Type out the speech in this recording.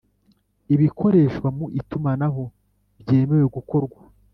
ibikoreshwa mu itumanaho byemewe gukorwa